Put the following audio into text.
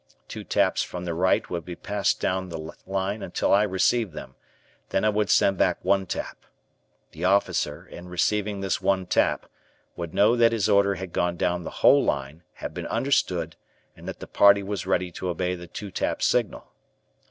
Two taps from the right would be passed down the line until I received them, then I would send back one tap. The officer, in receiving this one tap, would know that his order had gone down the whole line, had been understood, and that the party was ready to obey the two tap signal.